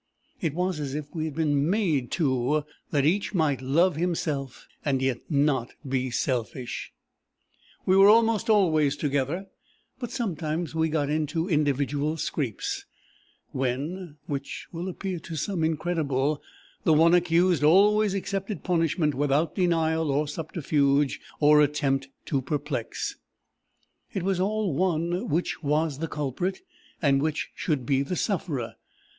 It was as if we had been made two, that each might love himself, and yet not be selfish. "We were almost always together, but sometimes we got into individual scrapes, when which will appear to some incredible the one accused always accepted punishment without denial or subterfuge or attempt to perplex: it was all one which was the culprit, and which should be the sufferer.